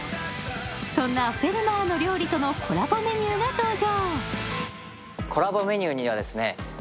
そんな「フェルマーの料理」とのコラボメニューが登場。